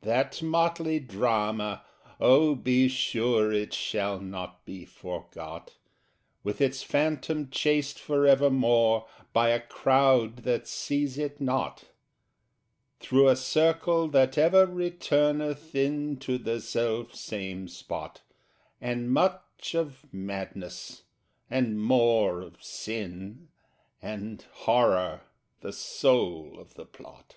That motley drama oh, be sure It shall not be forgot! With its Phantom chased for evermore, By a crowd that seize it not, Through a circle that ever returneth in To the self same spot, And much of Madness, and more of Sin, And Horror the soul of the plot.